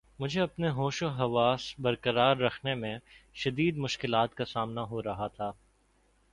مجھے اپنے ہوش و حواس بر قرار رکھنے میں شدید مشکلات کا سامنا ہو رہا تھا